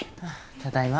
ただいま。